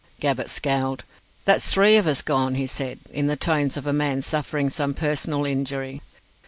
Gabbett scowled. "That's three of us gone," he said, in the tones of a man suffering some personal injury.